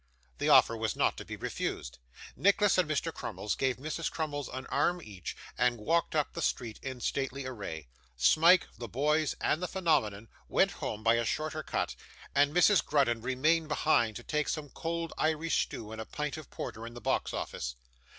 The offer was not to be refused; Nicholas and Mr. Crummles gave Mrs Crummles an arm each, and walked up the street in stately array. Smike, the boys, and the phenomenon, went home by a shorter cut, and Mrs Grudden remained behind to take some cold Irish stew and a pint of porter in the box office.